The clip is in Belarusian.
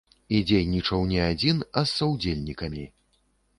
І дзейнічаў не адзін, а з саўдзельнікамі.